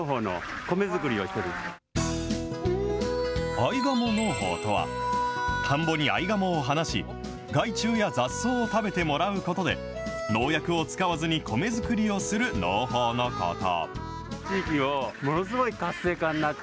合鴨農法とは、田んぼに合鴨を放し、害虫や雑草を食べてもらうことで、農薬を使わずに米作りをする農法のこと。